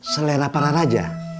selera para raja